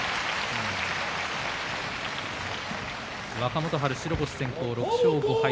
若元春、白星先行、６勝５敗。